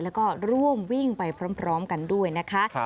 แล้วก็ร่วมวิ่งไปพร้อมกันด้วยนะคะ